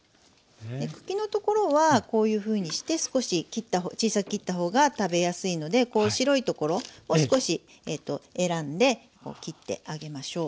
で茎のところはこういうふうにして少し小さく切った方が食べやすいので白いところを少し選んで切ってあげましょう。